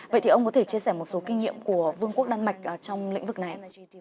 vậy thì ông có thể chia sẻ một số kinh nghiệm của vương quốc đan mạch trong lĩnh vực này